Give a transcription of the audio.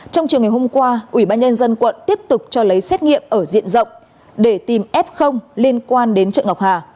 trong chiều ngày hôm qua ủy ban nhân dân quận tiếp tục cho lấy xét nghiệm ở diện rộng để tìm f liên quan đến chợ ngọc hà